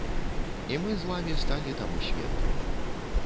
І мы з вамі сталі таму сведкамі.